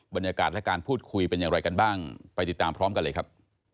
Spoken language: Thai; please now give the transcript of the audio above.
บรรยากาศและการพูดคุยเป็นอย่างไรกันบ้างไปติดตามพร้อมกันเลยครับ